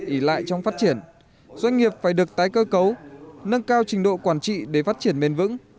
ý lại trong phát triển doanh nghiệp phải được tái cơ cấu nâng cao trình độ quản trị để phát triển bền vững